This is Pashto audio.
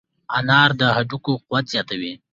انار د هډوکو قوت زیاتوي.